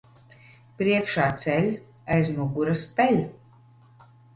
Priekšā ceļ, aiz muguras peļ.